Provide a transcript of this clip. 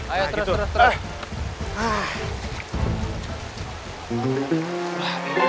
ayo terus terus terus